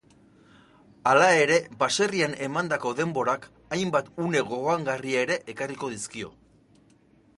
Hala ere, baserrian emandako denborak hainbat une gogoangarri ere ekarriko dizkio.